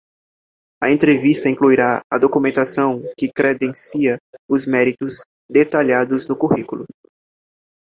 A entrevista incluirá a documentação que credencia os méritos detalhados no currículo.